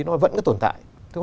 nó vẫn có tồn tại